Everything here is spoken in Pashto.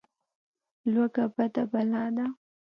لوږه بده بلا ده.